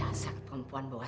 dasar perempuan bahwa